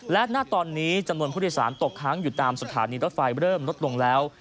และณตอนนี้จำนวนผู้โดยสารตกค้างอยู่ตามสถานีรถไฟเริ่มลดลงแล้ว